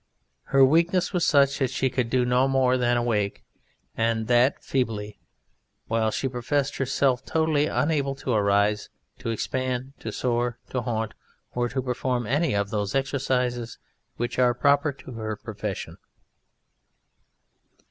Her weakness was such that she could do no more than awake, and that feebly, while she professed herself totally unable to arise, to expand, to soar, to haunt, or to perform any of those exercises which are proper to her profession.